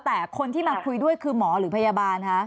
แต่คนที่มาคุยด้วยคือหมอหรือพยาบาล